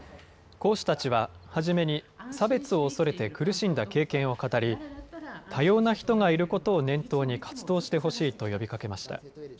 講師たちは初めに、差別を恐れて苦しんだ経験を語り多様な人がいることを念頭に活動してほしいと呼びかけました。